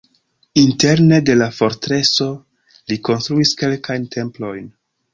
Interne de la fortreso li konstruis kelkajn templojn.